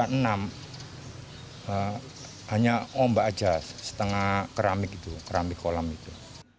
hanya ombak aja setengah keramik itu keramik kolam itu